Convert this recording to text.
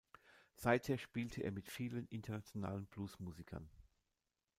Seither spielte er mit vielen internationalen Blues-Musikern.